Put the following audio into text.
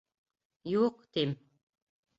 — Юҡ, — тим.